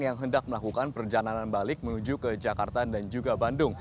yang hendak melakukan perjalanan balik menuju ke jakarta dan juga bandung